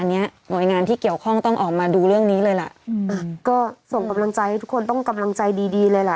อันนี้หน่วยงานที่เกี่ยวข้องต้องออกมาดูเรื่องนี้เลยล่ะอืมอ่ะก็ส่งกำลังใจให้ทุกคนต้องกำลังใจดีดีเลยล่ะ